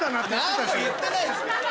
何も言ってないですって！